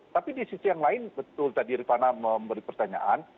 tapi di sisi yang lain betul tadi rifana memberi pertanyaan